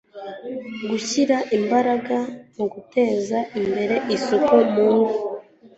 gushyira imbaraga mu guteza imbere isuku mu ngo